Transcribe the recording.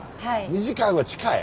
２時間は近い？